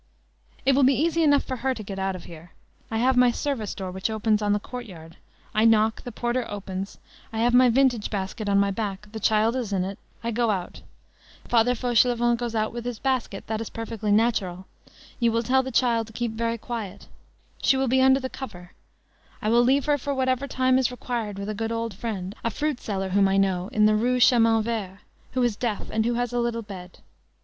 "It will be easy enough for her to get out of here. I have my service door which opens on the courtyard. I knock. The porter opens; I have my vintage basket on my back, the child is in it, I go out. Father Fauchelevent goes out with his basket—that is perfectly natural. You will tell the child to keep very quiet. She will be under the cover. I will leave her for whatever time is required with a good old friend, a fruit seller whom I know in the Rue Chemin Vert, who is deaf, and who has a little bed.